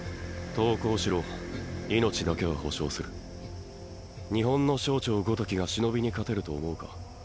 投降しろ命だけは保証する日本の省庁ごときが忍びに勝てると思うか？